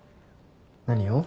何を？